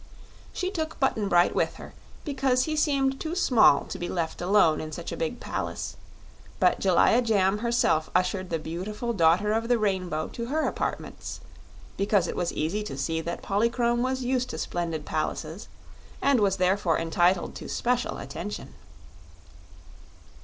She took Button Bright with her, because he seemed too small to be left alone in such a big palace; but Jellia Jamb herself ushered the beautiful Daughter of the Rainbow to her apartments, because it was easy to see that Polychrome was used to splendid palaces and was therefore entitled to especial attention.